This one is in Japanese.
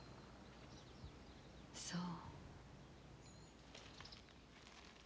そう。